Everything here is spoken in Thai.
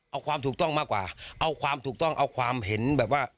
เอาความถูกต้องมากกว่าเอาความถูกต้องเอาความเห็นแบบว่า